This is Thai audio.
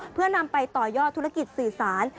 เพื่อนำไปต่อยอดธุรกิจสื่อสาร